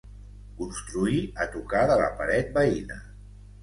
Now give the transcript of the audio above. Construir a tocar de la paret veïna.